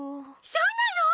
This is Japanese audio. そうなの！？